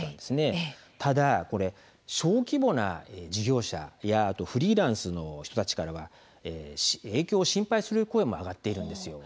ただ、小規模の事業者やフリーランスの人たちからは影響を心配する声も上がっているんです。